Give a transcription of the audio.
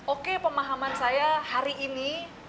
oke pemahaman saya hari ini